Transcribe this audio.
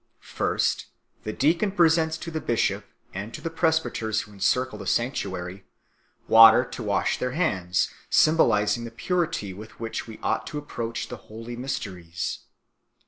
First, the deacon presents to the bishop, and to the presbyters who encircle the sanctuary, water to wash their hands, symbolizing the purity with which we ought to approach the holy mys teries.